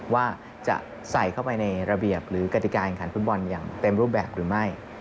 ว่าจะใส่เข้าไปในระเบียบหรือกติการขันฟุตบอลอย่างเต็มรูปแบบหรือไม่